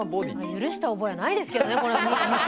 許した覚えはないですけどね